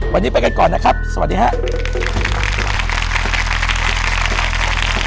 วันนี้ไปกันก่อนนะครับสวัสดีครับ